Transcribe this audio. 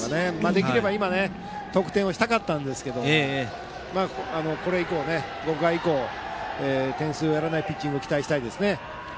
できれば得点をしたかったですが５回以降、点数をやらないピッチングを期待したいですね。